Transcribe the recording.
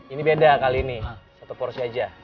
ini beda kali ini satu porsi aja